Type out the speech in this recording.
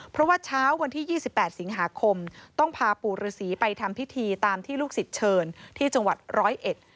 เพราะว่าเช้าวันที่ยี่สิบแปดสิงหาคมต้องพาปู่ฤษีไปทำพิธีตามที่ลูกศิษย์เชิญที่จังหวัดร้อยเอ็ด